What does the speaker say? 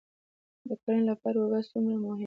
د کرنې لپاره اوبه څومره مهمې دي؟